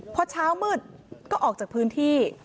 พอเช้ามืดก็ออกจากพื้นที่